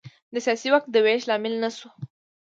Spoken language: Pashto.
د سیاسي واک د وېش لامل نه شو.